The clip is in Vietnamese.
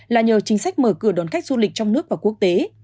là nhờ chính sách mở cửa đón khách du lịch trong nước và quốc tế